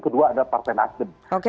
dua ada partain asdem